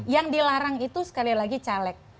yang dilarang itu sekali lagi caleg